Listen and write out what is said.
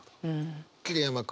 桐山君。